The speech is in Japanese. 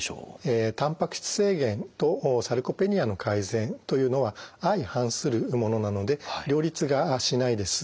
えたんぱく質制限とサルコペニアの改善というのは相反するものなので両立がしないです。